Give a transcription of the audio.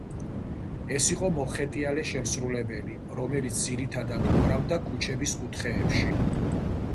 ის იყო მოხეტიალე შემსრულებელი, რომელიც ძირითადად უკრავდა ქუჩების კუთხეებში.